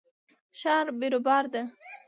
ښار بیروبار ده